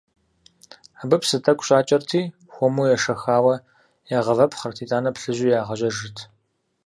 Абы псы тӏэкӏу щӏакӏэрти, хуэму ешэхауэ, ягъэвэпхъырт, итӏанэ плъыжьу ягъэжьэжырт.